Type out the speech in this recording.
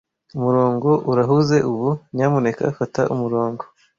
Umurongo urahuze ubu. Nyamuneka fata umurongo.